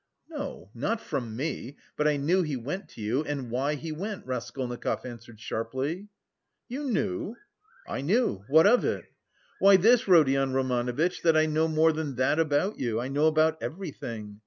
"No, not from me, but I knew he went to you and why he went," Raskolnikov answered sharply. "You knew?" "I knew. What of it?" "Why this, Rodion Romanovitch, that I know more than that about you; I know about everything.